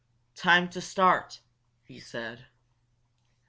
"Time to start!" he said.